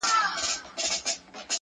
په مناسبت جشن جوړ کړي -